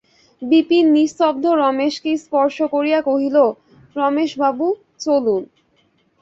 বিপিন নিস্তব্ধ রমেশকে স্পর্শ করিয়া কহিল, রমেশবাবু, চলুন।